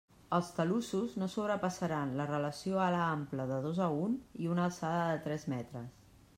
Els talussos no sobrepassaran la relació alt a ample de dos a un i una alçada de tres metres.